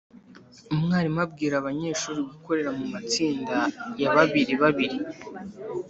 Umwarimu abwira abanyeshuri gukorera mu matsinda ya babiribabiri